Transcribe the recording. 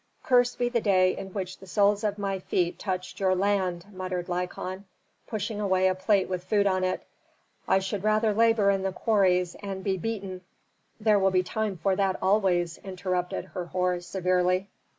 "Cursed be the day in which the soles of my feet touched your land!" muttered Lykon, pushing away a plate with food on it. "I should rather labor in the quarries, and be beaten " "There will be time for that always," interrupted Herhor, severely.